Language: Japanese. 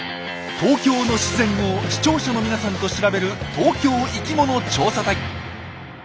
東京の自然を視聴者の皆さんと調べる東京生きもの調査隊。